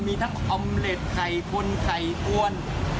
มีทั้งออมเล็ตไข่คนไข่อวน